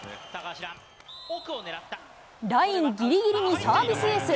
ラインぎりぎりにサービスエース。